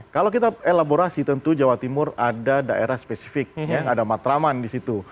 kalau kita elaborasi tentu jawa timur ada daerah spesifik ada matraman di situ